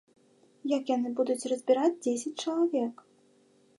Як яны будуць разбіраць дзесяць чалавек?